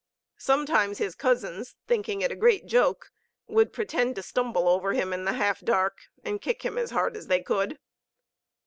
Sometimes his cousins, thinking it a great joke, would pretend to stumble over him in the half dark, and kick him as hard as they could.